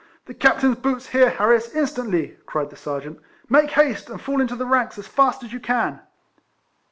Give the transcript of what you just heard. " The Cap tain's boots here, Harris, instantly," cried the Serjeant. " Make haste, and fall into the ranks as fast as you can."